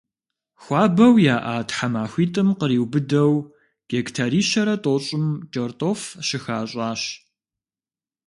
Хуабэу яӏа тхьэмахуитӏым къриубыдэу гектарищэрэ тӏощӏым кӏэртӏоф щыхащӏащ.